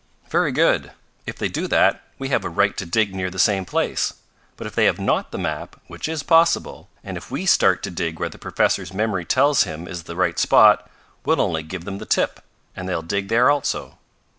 "Very good! If they do that we have a right to dig near the same place. But if they have not the map, which is possible, and if we start to dig where the professor's memory tells him is the right spot, we'll only give them the tip, and they'll dig there also."